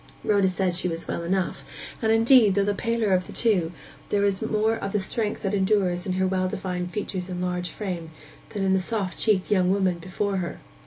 Rhoda said she was well enough; and, indeed, though the paler of the two, there was more of the strength that endures in her well defined features and large frame, than in the soft cheeked young woman before her.